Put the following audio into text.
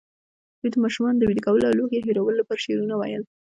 دوی د ماشومانو د ویده کولو او لوږې هېرولو لپاره شعرونه ویل.